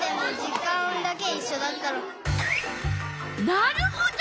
なるほど。